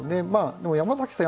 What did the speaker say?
でも山崎さん